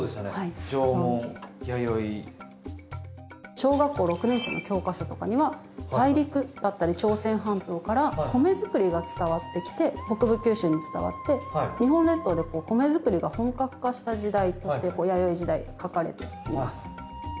小学校６年生の教科書とかには大陸だったり朝鮮半島から米作りが伝わってきて北部九州に伝わって日本列島で米作りが本格化した時代として弥生時代書かれています。